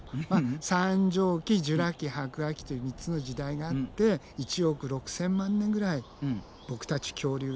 三畳紀ジュラ紀白亜紀という３つの時代があって１億６，０００万年ぐらいボクたち恐竜がね